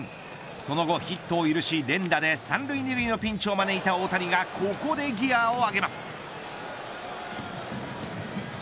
その後ヒットを許し連打で三塁二塁のピンチを招いた大谷がここでギアを上げます。